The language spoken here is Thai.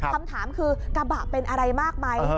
คำถามคือกระบะเป็นอะไรมากไหม